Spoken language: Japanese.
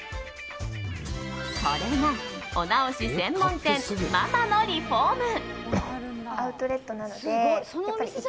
それがお直し専門店ママのリフォーム。